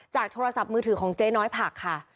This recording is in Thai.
โทรศัพท์มือถือของเจ๊น้อยผักค่ะ